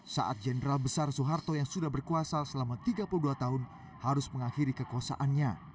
saat jenderal besar soeharto yang sudah berkuasa selama tiga puluh dua tahun harus mengakhiri kekuasaannya